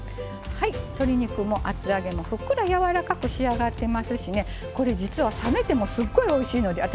鶏肉も厚揚げもふっくら柔らかく仕上がってますしねこれ実は冷めてもすっごいおいしいので私